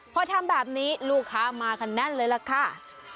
พอทำแบบนี้ลูกค้ามากันแน่นเลยล่ะค่ะ